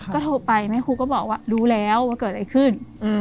ก็โทรไปแม่ครูก็บอกว่ารู้แล้วว่าเกิดอะไรขึ้น